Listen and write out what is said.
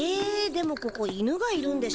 でもここ犬がいるんでしょ。